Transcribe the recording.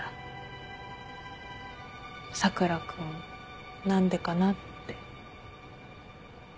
佐倉君何でかなって。